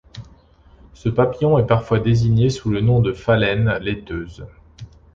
Ce papillon est parfois désigné sous le nom de Phalène laiteuse.